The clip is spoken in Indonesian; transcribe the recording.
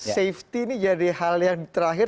safety ini jadi hal yang terakhir